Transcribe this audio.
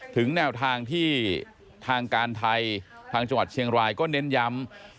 ถึงแนวทางที่ทางการไทยทางจังหวัดเชียงรายก็เน้นย้ำ